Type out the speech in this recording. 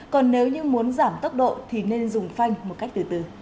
còn nếu như muốn giảm tốc độ thì nên dùng phanh một cách từ từ